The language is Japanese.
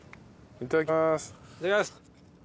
いただきます。